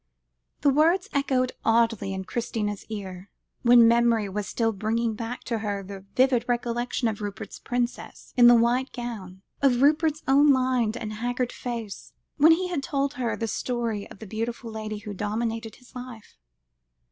The words echoed oddly in Christina's ears, when memory was still bringing back to her the vivid recollection of Rupert's princess in the white gown, of Rupert's own lined and haggard face, when he had told her the story of the beautiful lady who dominated his life.